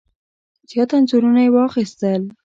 زیات انځورونه یې واخیستل.